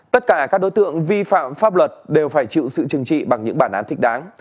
tất cả các đối tượng vi phạm pháp luật đều phải chịu sự chừng trị bằng những bản án thích đáng